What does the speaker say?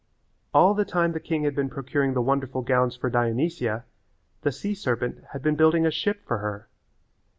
All the time the king had been procuring the wonderful gowns for Dionysia the sea serpent had been building a ship for her.